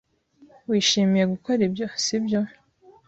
Wishimiye gukora ibyo, sibyo?